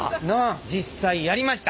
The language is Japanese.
実際やりました。